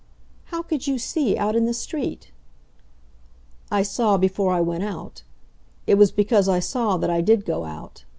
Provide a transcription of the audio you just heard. "How could you see out in the street?" "I saw before I went out. It was because I saw that I did go out.